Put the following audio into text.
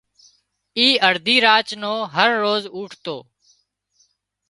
اي ارڌي راچ نا هروز اُوٺتو